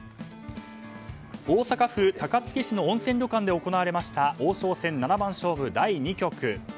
大阪府高槻市の温泉旅館で行われました王将戦七番勝負第２局。